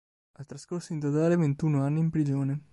Ha trascorso in totale ventuno anni in prigione.